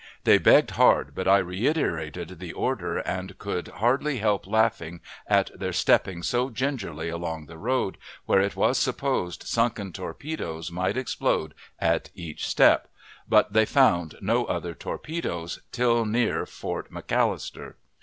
They begged hard, but I reiterated the order, and could hardly help laughing at their stepping so gingerly along the road, where it was supposed sunken torpedoes might explode at each step, but they found no other torpedoes till near Fort McAllister.